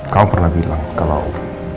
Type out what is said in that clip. kamu pernah bilang kalau